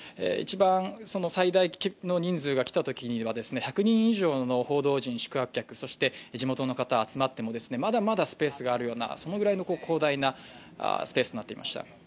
一番最大の人数が来たときには１００人以上の報道陣、宿泊客、そして地元の方、集まってもまだまだスペースがあるぐらいの広大なスペースになっていました。